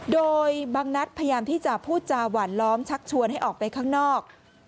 โดยบางนัดพยายามที่จะพูดจาหวานล้อมชักชวนให้ออกไปข้างนอก